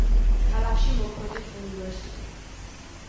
ქალაქში მოქმედებს უნივერსიტეტი.